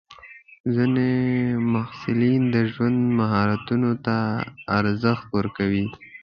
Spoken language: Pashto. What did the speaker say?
ځینې محصلین د ژوند مهارتونو ته ارزښت ورکوي.